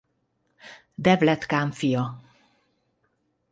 Devlet kán fia.